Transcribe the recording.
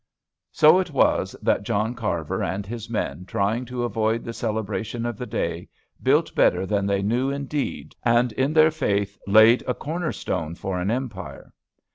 So it was that John Carver and his men, trying to avoid the celebration of the day, built better than they knew indeed, and, in their faith, laid a corner stone for an empire.